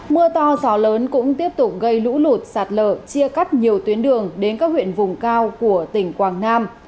mưa to gió lớn cũng tiếp tục gây lũ lụt sạt lở chia cắt nhiều tuyến đường đến các huyện vùng cao của tỉnh quảng nam